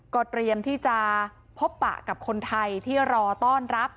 ก็เตรียมที่จะพบปะกับคนไทยที่รอต้อนรับ